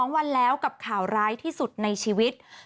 ๒วันแล้วกับข่าวร้ายที่สุดในชีวิต